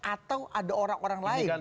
atau ada orang orang lain